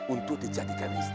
untuk dijadikan istri